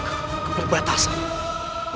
ayuh cepat antarkan aku